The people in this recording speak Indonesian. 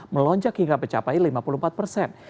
melonjak hingga mencapai lima puluh empat persen